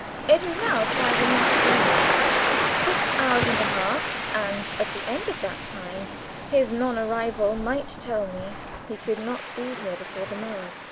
It was now five in the afternoon. Six hours and a half and at the end of that time his non arrival might tell me he could not be here before the morrow.